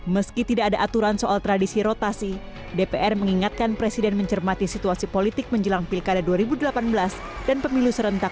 meski tidak ada aturan soal tradisi rotasi dpr mengingatkan presiden mencermati situasi politik menjelang pilkada dua ribu delapan belas dan pemilu serentak